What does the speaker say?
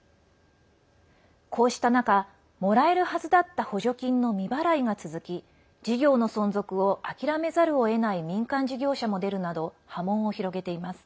こうした中もらえるはずだった補助金の未払いが続き事業の存続を諦めざるをえない民間事業者も出るなど波紋を広げています。